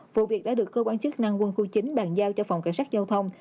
vụ việc đã được cơ quan chức năng quân khu chín bàn giao cho phòng cảnh sát giao thông